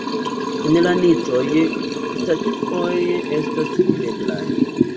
En la niĉoj statuoj estas videblaj.